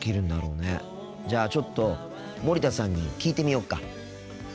じゃあちょっと森田さんに聞いてみよっか。